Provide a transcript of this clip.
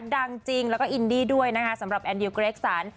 ดังจริงแล้วก็อินดี้ด้วยนะคะสำหรับแอนดิวเกรกสัน